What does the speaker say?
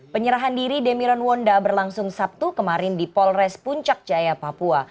penyerahan diri demiron wonda berlangsung sabtu kemarin di polres puncak jaya papua